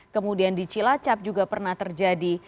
kemudian di cilacap juga pernah terjadi